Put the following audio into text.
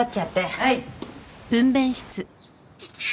はい。